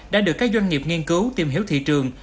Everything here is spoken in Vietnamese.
đã được các doanh nghiệp nghiên cứu tìm hiểu thị trường